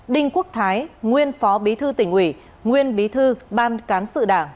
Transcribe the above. đinh quốc thái nguyên phó bí thư tỉnh ủy nguyên bí thư ban cán sự đảng